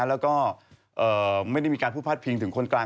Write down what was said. แล้วก็ไม่ได้มีการพูดพาดพิงถึงคนกลาง